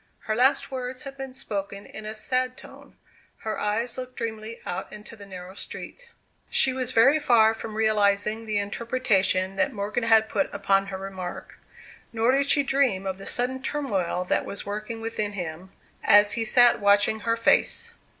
Her last words had been spoken in a sad tone; her eyes looked dreamily out into the narrow street. She was very far from realizing the interpretation that Morgan had put upon her remark. Nor did she dream of the sudden turmoil that was working within him, as he sat watching her face.